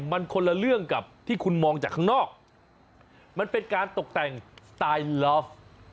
มันคนละเรื่องกับที่คุณมองจากข้างนอกมันเป็นการตกแต่งสไตล์ลอฟ